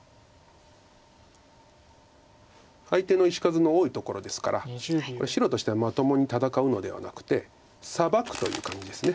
相手の石数の多いところですからこれ白としてはまともに戦うのではなくてサバくという感じです。